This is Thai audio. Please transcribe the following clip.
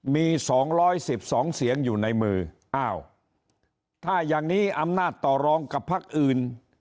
มี๒๑๒เสียงอยู่ในมืออ้าวถ้าอย่างนี้อำนาจต่อรองกับพักอื่น